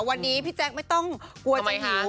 วันนี้พี่แจ๊คไม่ต้องกลัวจะหิว